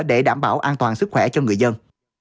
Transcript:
để đảm bảo an toàn sức khỏe cho người dân